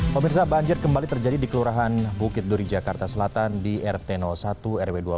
pemirsa banjir kembali terjadi di kelurahan bukit duri jakarta selatan di rt satu rw dua belas